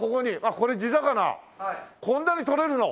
こんなにとれるの？